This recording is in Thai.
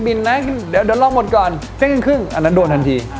นะเดี๋ยวลองหมดก่อนเที่ยงครึ่งอันนั้นโดนทันที